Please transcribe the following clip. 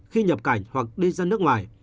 khi nhập cảnh hoặc đi ra nước ngoài